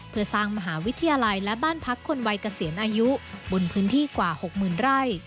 เพื่อสร้างมหาวิทยาลัยและบ้านพักคนวัยเกษียณอายุบนพื้นที่กว่า๖๐๐๐ไร่